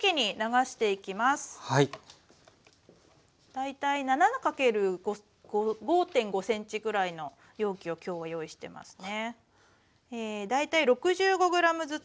大体７×５．５ｃｍぐらいの容器を今日は用意してますね。